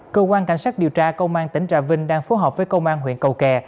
cơ quan cảnh sát điều tra công an tỉnh trà vinh đang phối hợp với công an huyện cầu kè